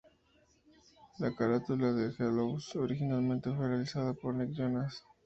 La carátula de ""Jealous"" originalmente fue realizada por Nick Jonas.